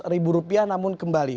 dua ratus ribu rupiah namun kembali